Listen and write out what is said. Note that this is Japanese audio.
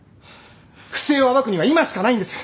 不正を暴くには今しかないんです！